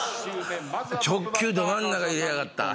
直球ど真ん中入れやがった。